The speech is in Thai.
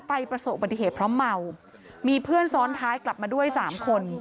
ประสบปฏิเหตุเพราะเมามีเพื่อนซ้อนท้ายกลับมาด้วยสามคน